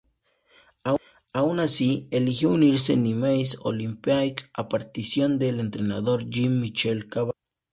Aun así, eligió unirse Nîmes Olympique a petición del entrenador Jean-Michel Cavalli.